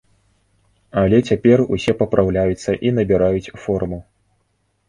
Але цяпер усе папраўляюцца і набіраюць форму.